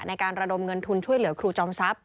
ในการระดมเงินทุนช่วยเหลือครูจอมทรัพย